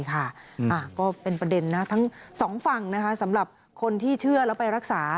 ก็เป็นประเด็นนะทั้งสองฝั่งสำหรับคนที่เชื่อแล้วไปรักษา